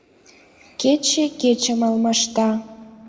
Кече кечым алмашта